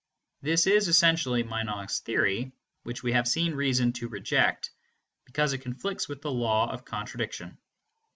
This is essentially Meinong's theory, which we have seen reason to reject because it conflicts with the law of contradiction.